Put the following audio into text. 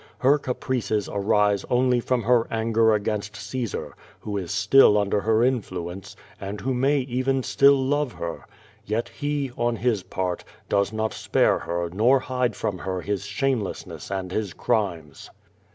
Her caprices arise only from her anger against Caesar, who is still under her influence, and who may even still love her. Yet he, on his part, does not spare her nor hide from her his shamclessness and his crimes.